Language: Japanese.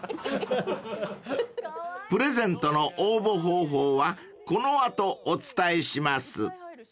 ［プレゼントの応募方法はこの後お伝えします］